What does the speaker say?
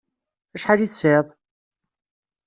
Acḥal i tesɛiḍ?